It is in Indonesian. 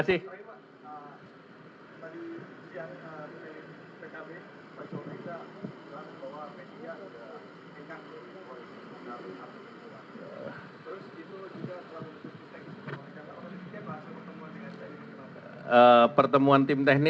apa namanya pertemuan dengan tim teknis